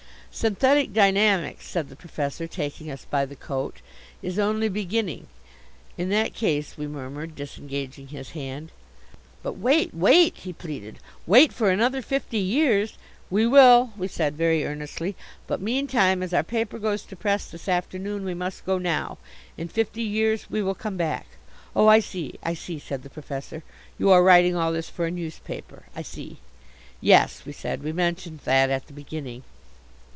"Synthetic dynamics," said the Professor, taking us by the coat, "is only beginning " "In that case " we murmured, disengaging his hand. "But, wait, wait," he pleaded "wait for another fifty years " "We will," we said very earnestly. "But meantime as our paper goes to press this afternoon we must go now. In fifty years we will come back." "Oh, I see, I see," said the Professor, "you are writing all this for a newspaper. I see." "Yes," we said, "we mentioned that at the beginning."